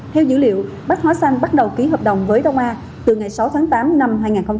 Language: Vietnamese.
theo dữ liệu bách hóa xanh bắt đầu ký hợp đồng với đông a từ ngày sáu tháng tám năm hai nghìn hai mươi